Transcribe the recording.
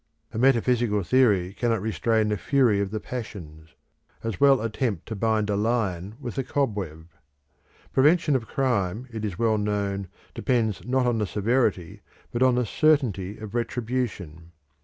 A metaphysical theory cannot restrain the fury of the passions: as well attempt to bind a lion with a cobweb. Prevention of crime it is well known depends not on the severity but on the certainty of retribution.